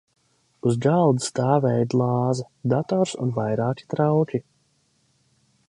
Uz galda stāvēja glāze, dators un vairāki trauki.